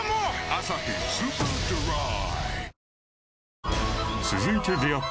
「アサヒスーパードライ」